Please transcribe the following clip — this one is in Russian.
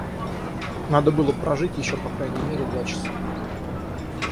Надо было прожить еще по крайней мере два часа.